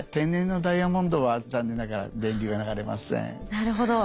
なるほど。